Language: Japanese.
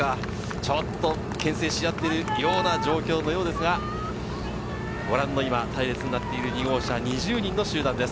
ちょっと牽制し合っているような状況のようですが、ご覧の隊列になっている２号車、２０人の集団です。